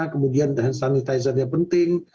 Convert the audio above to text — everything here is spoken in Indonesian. kemudian sanitizernya penting